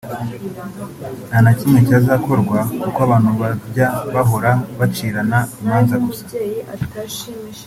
nta na kimwe cyazakorwa kuko abantu bajya bahora bacirana imanza gusa